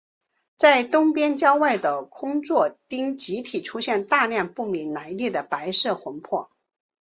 在东边郊外的空座町集体出现大量不明来历的白色魂魄。